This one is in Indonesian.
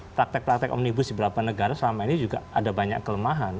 praktek praktek omnibus di beberapa negara selama ini juga ada banyak kelemahan